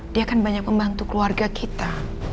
dia kan banyak membantu keluarga kita